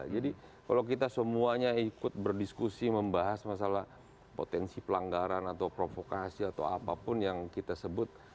jadi kalau kita semuanya ikut berdiskusi membahas masalah potensi pelanggaran atau provokasi atau apapun yang kita sebut